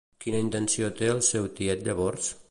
Quina intenció té el seu tiet llavors?